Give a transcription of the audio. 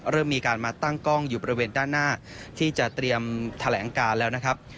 เริ่มมีการมาตั้งกล้องอยู่บริเวณด้านหน้าที่จะเตรียมแถลงการแล้วนะครับ